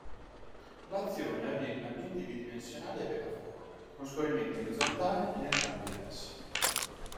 L'azione avviene in ambienti bidimensionali a piattaforme, con scorrimento orizzontale in entrambi i versi.